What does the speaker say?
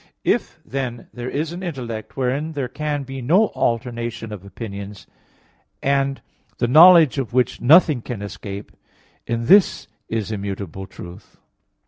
If, then, there is an intellect wherein there can be no alternation of opinions, and the knowledge of which nothing can escape, in this is immutable truth.